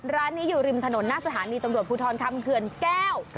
ร้านนี้อยู่ริมถนนหน้าสถานีตำรวจภูทรคำเขื่อนแก้ว